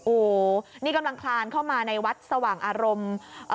โอ้โหนี่กำลังคลานเข้ามาในวัดสว่างอารมณ์